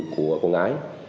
của công an